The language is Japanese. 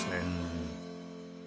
うん。